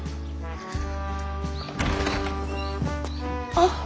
あっ。